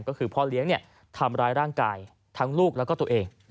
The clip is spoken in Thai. ก็คือพ่อเลี้ยงทำร้ายร่างกายทั้งลูกแล้วก็ตัวเอง